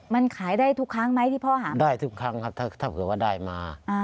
มันขายได้ทุกครั้งไหมที่พ่อหาได้ทุกครั้งครับถ้าเกิดว่าได้มา